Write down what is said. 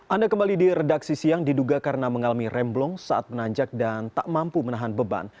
anda kembali di redaksi siang diduga karena mengalami remblong saat menanjak dan tak mampu menahan beban